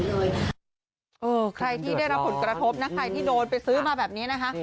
ใครที่ได้รับผลกระทบนะใครที่โดนไปซื้อมาแบบนี้นะคะ